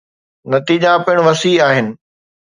نتيجا پڻ وسيع آهن